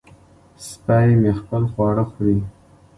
سپی مې خپل خواړه خوري.